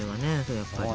やっぱりね。